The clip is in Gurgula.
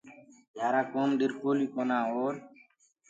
گھِيآرآ ڪوم ڏرِپوليٚ ڪونآئي اور